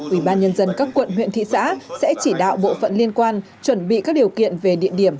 ủy ban nhân dân các quận huyện thị xã sẽ chỉ đạo bộ phận liên quan chuẩn bị các điều kiện về địa điểm